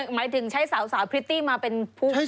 หมายถึงใช้สาวพิตตี้มาเป็นผู้เกี่ยวของ